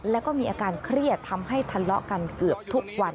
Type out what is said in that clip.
แล้วก็มีอาการเครียดทำให้ทะเลาะกันเกือบทุกวัน